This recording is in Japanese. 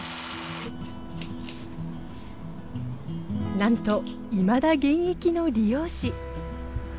なんといまだ現役の理容師。